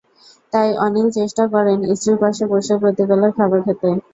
তাই অনিল চেষ্টা করেন স্ত্রীর পাশে বসে প্রতি বেলার খাবার খেতে।